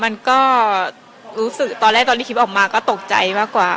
มันก็รู้สึกตอนแรกตอนที่คลิปออกมาก็ตกใจมากกว่า